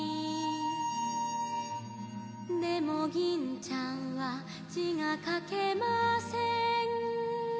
「でも銀ちゃんは字が書けません」